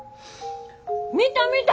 見た見た！